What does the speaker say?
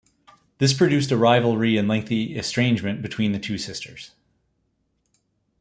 This produced a rivalry and lengthy estrangement between the two sisters.